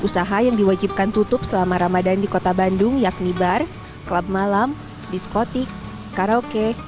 usaha yang diwajibkan tutup selama ramadan di kota bandung yakni bar klub malam diskotik karaoke